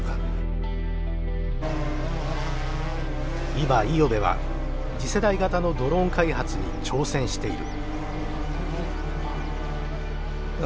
今五百部は次世代型のドローン開発に挑戦している。